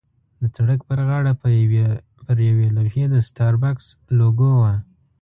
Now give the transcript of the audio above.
د سړک پر غاړه پر یوې لوحې د سټاربکس لوګو وه.